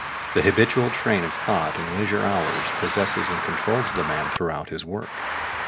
The habitual train of thought in leisure hours possesses and controls the man throughout his work.